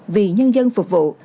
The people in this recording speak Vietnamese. vì nhân dân phục vụ